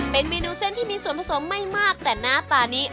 เป็นเมนูเส้นที่มีส่วนผสมไม่มากแต่หน้าตานี้